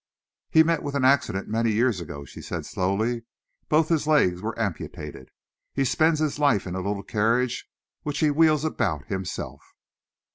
"He met with an accident many years ago," she said slowly. "Both his legs were amputated. He spends his life in a little carriage which he wheels about himself."